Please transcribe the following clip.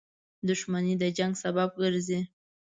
• دښمني د جنګ سبب ګرځي.